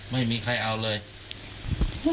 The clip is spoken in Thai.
ไม่มีใครเอาเลย